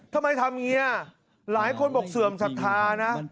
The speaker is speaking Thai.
ทำไมทำอย่างนี้หลายคนบอกเสื่อมศรัทธานะ